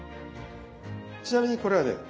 ちなみにこれはね